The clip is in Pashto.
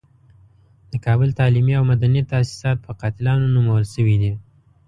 د کابل تعلیمي او مدني تاسیسات په قاتلانو نومول شوي دي.